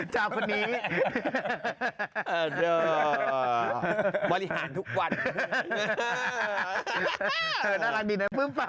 ชี้ลงดิน